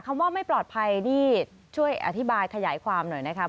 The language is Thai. คำว่าไม่ปลอดภัยนี่ช่วยอธิบายขยายความหน่อยนะครับ